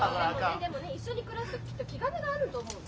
・でもね一緒に暮らすときっと気兼ねがあると思うの。